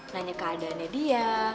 nanya keadaannya dia